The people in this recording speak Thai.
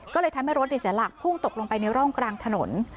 ก็เลยทำให้รถเสียหลักพุ่งตกลงไปในร่องกลางถนน